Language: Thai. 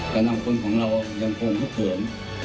กับนางคนของเรายังคงมากกว่า